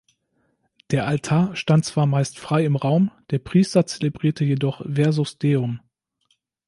Der Altar stand zwar meist frei im Raum, der Priester zelebrierte jedoch "versus Deum".